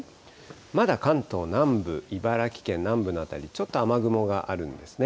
まだ関東南部、茨城県南部の辺り、ちょっと雨雲があるんですね。